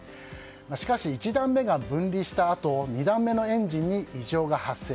しかし、１段目が分離したあと２段目のエンジンに異常が発生。